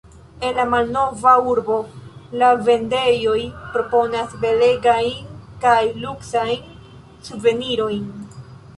En la malnova urbo la vendejoj proponas belegajn kaj luksajn suvenirojn.